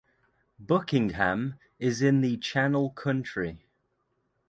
Buckingham is in the Channel Country.